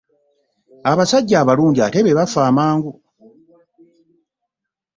Abasajja abalungi ate be bafa amangu.